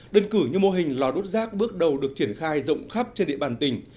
đơn cử như mô hình lò đốt rác bước đầu được triển khai rộng khắp trên địa bàn tỉnh